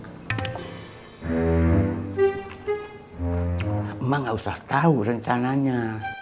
emang gak usah tahu rencananya